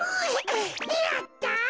やった！